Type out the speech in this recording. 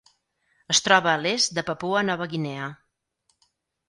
Es troba a l'est de Papua Nova Guinea.